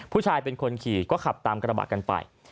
ผู้ชายเป็นคนขี่ก็ขับตามกระบะกันไป